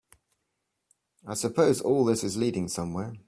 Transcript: I suppose all this is leading somewhere?